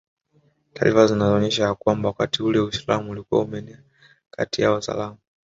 Taarifa zinaonyesha ya kwamba wakati ule Uislamu ulikuwa umeenea kati ya Wazaramo